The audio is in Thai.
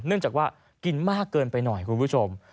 เนื่องจากว่ากินมากเกินไปหน่อยคุณผู้ชม